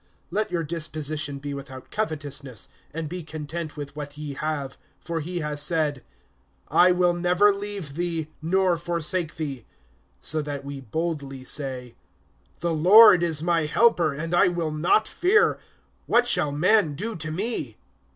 (5)Let your disposition be without covetousness, and be content with what ye have; for he has said: I will never leave thee, nor forsake thee. (6)So that we boldly say: The Lord is my helper, and I will not fear; What shall man do to me?